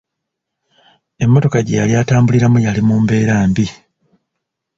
Emmotoka gye yali atambuliramu yali mu mbeera mbi.